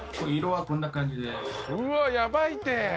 うわあやばいって！